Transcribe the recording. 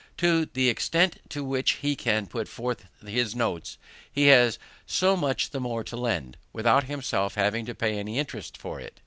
To the extent to which he can put forth his notes, he has so much the more to lend, without himself having to pay any interest for it.